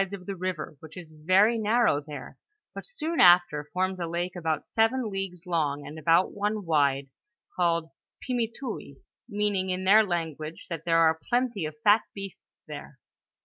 of the river, which is very nar row there, but soon after forms a lake about seven leagues long, and about one wide, called Pimiteoui, meaning in their language that there are plenty of fat beasts there.